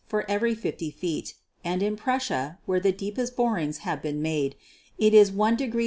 for every 50 feet and in Prussia, where the deepest borings have been made, it is i° F.